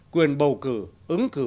quyền bầu cử ứng cử